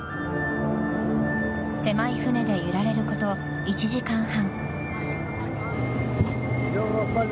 狭い船で揺られること１時間半。